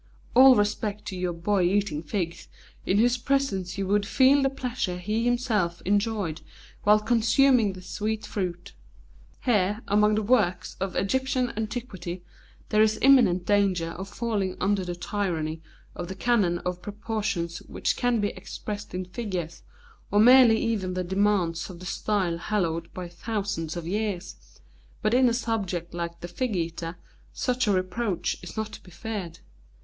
All respect to your Boy Eating Figs, in whose presence you would feel the pleasure he himself enjoyed while consuming the sweet fruit. Here, among the works of Egyptian antiquity, there is imminent danger of falling under the tyranny of the canon of proportions which can be expressed in figures, or merely even the demands of the style hallowed by thousands of years, but in a subject like the 'Fig eater' such a reproach is not to be feared.